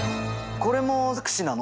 これも錯視なの？